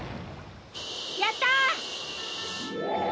やった！